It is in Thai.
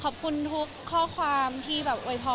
อเรนนี่เติม